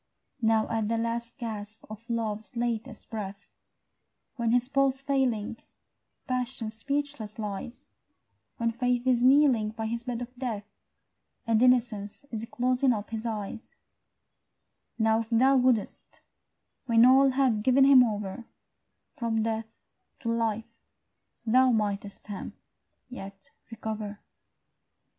Now at the last gasp of love's latest breath, When, his pulse failing, passion speechless lies, When faith is kneeling by his bed of death, And innocence is closing up his eyes, Now if thou wouldst, when all have given him over, From death to life, thou mightst him yet recover.